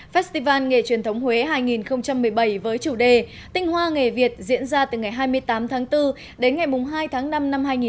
festival nghề truyền thống huế hai nghìn một mươi bảy với chủ đề tinh hoa nghề việt diễn ra từ ngày hai mươi tám tháng bốn đến ngày hai tháng năm năm hai nghìn một mươi chín